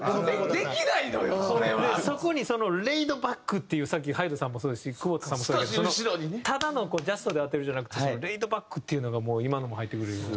そこにレイドバックっていうさっきＨＹＤＥさんもそうですし久保田さんもそうだけどただのジャストで当てるんじゃなくてレイドバックっていうのがもう今のも入って。